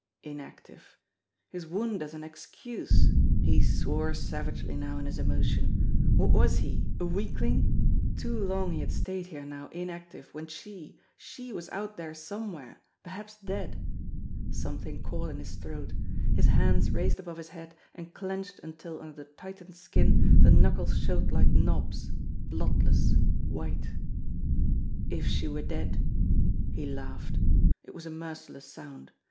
Inactive! His wound as an excuse! He swore savagely now in his emotion. What was he a weakling ! Too long he had stayed here now inactive when she she was out there somewhere perhaps dead. Something caught in his throat. His hands raised above his head and clenched until under the tightened skin the knuckles showed like knobs, bloodless, white. If she were dead! He laughed! It was a merciless sound.